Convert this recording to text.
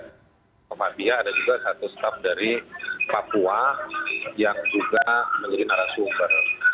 muhammadiyah ada juga satu staff dari papua yang juga menjadi narasumber